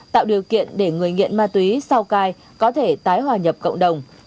tạo điều kiện để người nghiện ma túy sau cai có thể tái hòa nhập cộng đồng